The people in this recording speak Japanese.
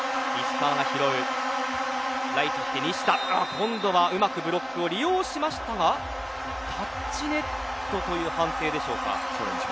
今度はうまくブロックを利用しましたがタッチネットという判定でしょうか。